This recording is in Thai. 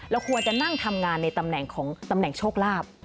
ควรจะนั่งทำงานในตำแหน่งของตำแหน่งโชคลาภ